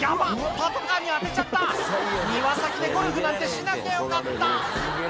パトカーに当てちゃった」「庭先でゴルフなんてしなきゃよかった」